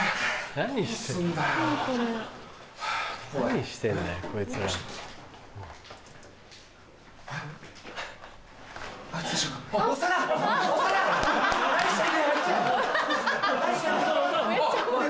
何してんだよ